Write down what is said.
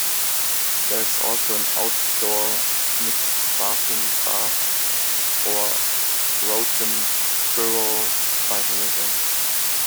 There is also an outdoor, mixed bathing bath, or rotenburo, by the river.